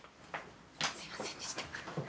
すいませんでした。